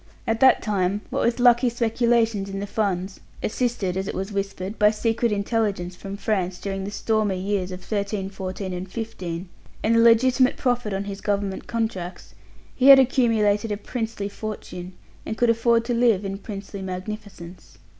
At that time, what with lucky speculations in the Funds assisted, it was whispered, by secret intelligence from France during the stormy years of '13, '14, and '15 and the legitimate profit on his Government contracts, he had accumulated a princely fortune, and could afford to live in princely magnificence.